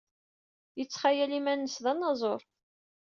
Yettxayal iman-nnes d anaẓur.